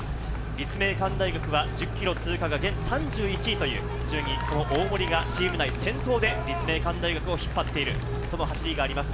立命館大学は１０ｋｍ通過が現在、３１位という順位、大森がチームを先頭で立命館大学を引っ張っている、その走りがあります。